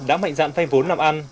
đã mạnh dạn phay vốn làm ăn